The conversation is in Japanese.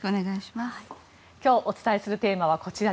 今日お伝えするテーマはこちら。